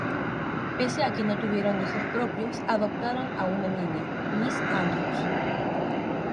Pese a que no tuvieron hijos propios, adoptaron a una niña, Miss Andrews.